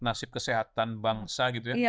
nasib kesehatan bangsa gitu ya